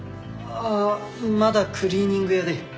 ああまだクリーニング屋で。